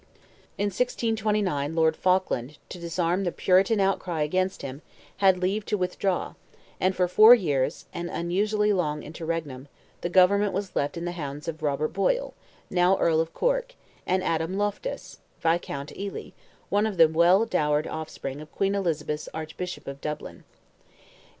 In 1629 Lord Falkland, to disarm the Puritan outcry against him, had leave to withdraw, and for four years—an unusually long interregnum—the government was left in the hands of Robert Boyle, now Earl of Cork, and Adam Loftus, Viscount Ely, one of the well dowered offspring of Queen Elizabeth's Archbishop of Dublin.